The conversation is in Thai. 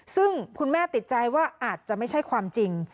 ซึ่งคุณแม่ติดใจว่าอาจจะไม่ใช่ความจริง